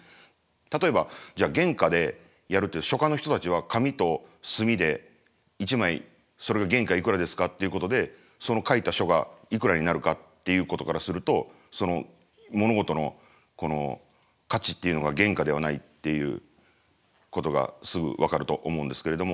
例えばじゃあ原価でやるって書家の人たちは紙と墨で１枚それが原価いくらですかっていうことでその書いた書がいくらになるかっていうことからすると物事の価値っていうのが原価ではないっていうことがすぐ分かると思うんですけれども。